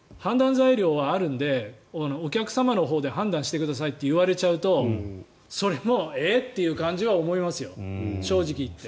材料はあるのでお客様のほうで判断してくださいと言われちゃうとそれも、え？っていう感じは思いますよ、正直言って。